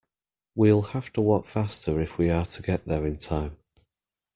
We'll have to walk faster if we are to get there in time.